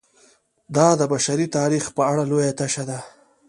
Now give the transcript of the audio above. دا د بشري تاریخ په اړه لویه تشه ده.